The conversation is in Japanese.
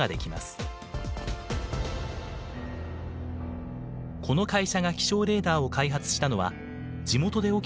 この会社が気象レーダーを開発したのは地元で起きた災害がきっかけでした。